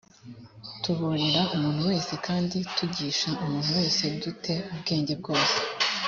tuburira umuntu wese kandi tukigisha umuntu wese du te ubwenge bwose